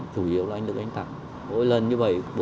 chủ yếu là anh được anh tặng mỗi lần như vậy